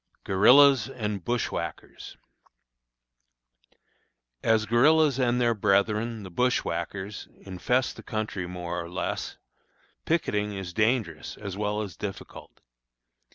GUERILLAS AND BUSHWHACKERS. As guerillas and their brethren, the bushwhackers, infest the country more or less, picketing is dangerous as well as difficult.